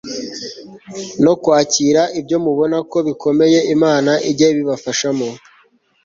no kwakira ibyo mubona ko bikomeye Imana ijye ibibafashamo